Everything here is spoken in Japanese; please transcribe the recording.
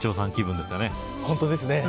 本当ですね。